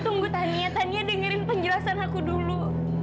tunggu tania tania dengerin penjelasan aku dulu